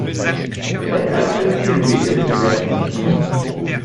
Deshalb zensieren wir ihre Bewertung nicht.